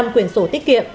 năm quyển sổ tiết kiệm